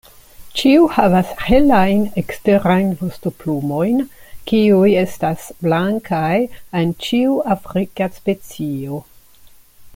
Ĉiu havas helajn eksterajn vostoplumojn, kiuj estas blankaj en ĉiu afrika specio.